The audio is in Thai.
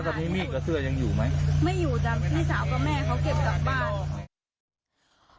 ตอนนี้มีดกับเสื้อยังอยู่ไหมไม่อยู่แต่พี่สาวกับแม่เขาเก็บกลับบ้าน